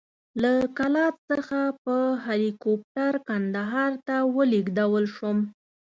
له کلات څخه په هلیکوپټر کندهار ته ولېږدول شوم.